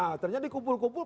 nah ternyata dikumpul kumpul